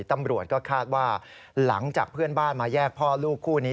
ตำรวจก็คาดว่าหลังจากเพื่อนบ้านมาแยกพ่อลูกคู่นี้